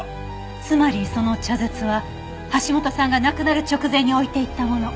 つまりその茶筒は橋本さんが亡くなる直前に置いていったもの。